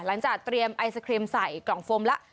หลังจากเตรียมไอศครีมใส่กล่องโฟมแล้ว